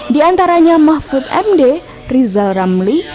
diantaranya mahfud md rizal ramli